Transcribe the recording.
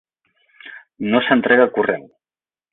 No s'entrega correu.